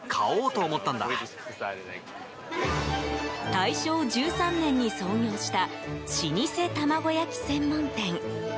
大正１３年に創業した老舗玉子焼き専門店。